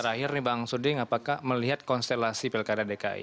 terakhir nih bang suding apakah melihat konstelasi pilkada dki